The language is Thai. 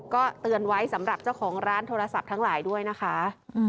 ก็เตือนไว้สำหรับเจ้าของร้านโทรศัพท์ทั้งหลายด้วยนะคะ